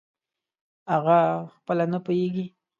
اغه خپله نه پییږي